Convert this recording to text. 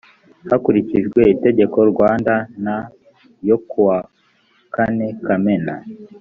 hakurikijwe itegeko rwanda n yo kuwa kane kamena